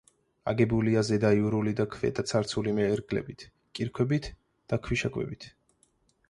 აგებულია ზედაიურული და ქვედაცარცული მერგელებით, კირქვებით და ქვიშაქვებით.